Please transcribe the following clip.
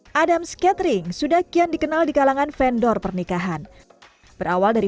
no adam scattering sudah kian dikenal di kalangan vendor pernikahan berawal dari